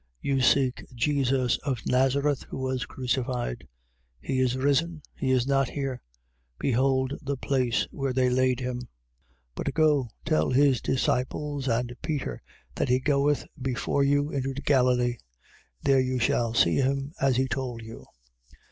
you seek Jesus of Nazareth, who was crucified. He is risen: he is not here. Behold the place where they laid him. 16:7. But go, tell his disciples and Peter that he goeth before you into Galilee. There you shall see him, as he told you.